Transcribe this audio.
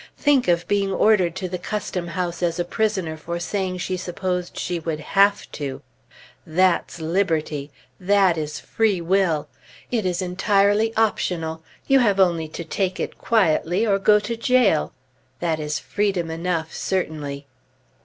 Think of being ordered to the Custom House as a prisoner for saying she supposed she would have to! That's liberty! that is free will! It is entirely optional; you have only to take it quietly or go to jail. That is freedom enough, certainly!